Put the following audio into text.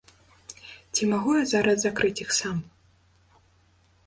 Ці магу я зараз закрыць іх сам?